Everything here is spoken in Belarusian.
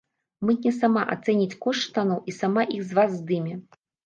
Мытня сама ацэніць кошт штаноў і сама іх з вас здыме.